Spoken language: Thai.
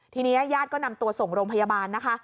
ทีนี้ญาติก็นำตัวส่งโรงพยาบาลนะคะ